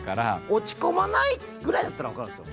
「落ち込まない」ぐらいだったら分かるんですよ。